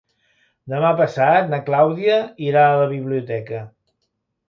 Demà passat na Clàudia irà a la biblioteca.